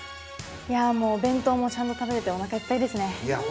いやもうお弁当もちゃんと食べれておなかいっぱいですね。